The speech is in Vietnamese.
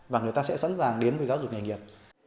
và người ta sẽ sẵn sàng đến với giáo dục nghề nghiệp